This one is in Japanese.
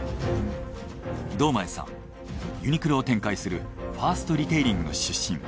堂前さんユニクロを展開するファーストリテイリングの出身。